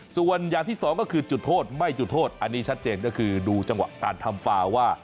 ส่วนอย่างที่สองก็คือจุดโทษไม่จุดโทษอันนี้ชัดเจนก็คือดูจังหวะการทำฟาวว่า